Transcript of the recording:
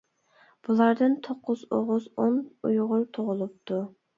بۇلاردىن توققۇز ئوغۇز، ئون ئۇيغۇر تۇغۇلۇپتۇ.